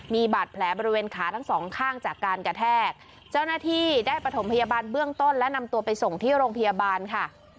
มีบาดแผลบริเวณขาทั้งสองข้างจากการกระแทกเจ้าหน้าที่ได้ประถมพยาบาลเบื้องต้นและนำตัวไปส่งที่โรงพยาบาลค่ะ